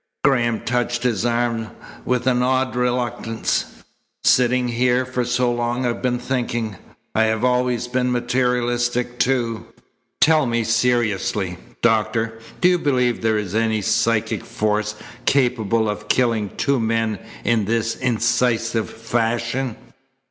Graham touched his arm with an odd reluctance. "Sitting here for so long I've been thinking. I have always been materialistic, too. Tell me seriously, doctor, do you believe there is any psychic force capable of killing two men in this incisive fashion?"